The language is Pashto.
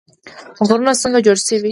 غرونه څنګه جوړ شوي؟